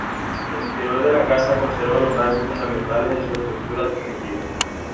El interior de la casa conserva los rasgos fundamentales de su estructura primitiva.